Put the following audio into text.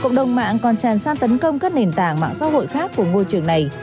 cộng đồng mạng còn tràn sát tấn công các nền tảng mạng xã hội khác của môi trường này